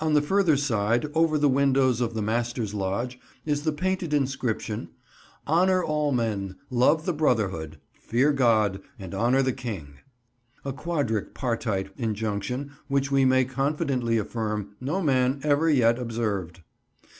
On the further side, over the windows of the Master's Lodge, is the painted inscription, "Honour all men; love the brotherhood; fear God; and honour the King," a quadripartite injunction which we may confidently affirm, no man ever yet observed.